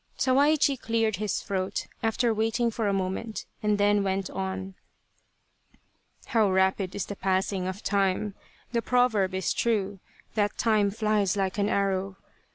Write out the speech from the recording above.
Sawaichi cleared his throat, after waiting for a moment, and then went on :" How rapid is the passing of time. The proverb is true that ' Time flies like an arrow.'